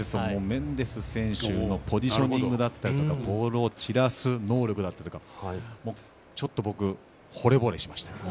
メンデス選手のポジショニングだったりボールを散らす能力だったりちょっと僕、ほれぼれしました。